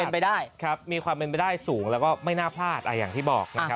เป็นไปได้ครับมีความเป็นไปได้สูงแล้วก็ไม่น่าพลาดอย่างที่บอกนะครับ